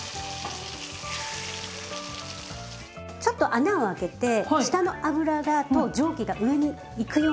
ちょっと穴をあけて下の油と蒸気が上に行くように。